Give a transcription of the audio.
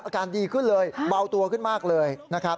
อาการดีขึ้นเลยเบาตัวขึ้นมากเลยนะครับ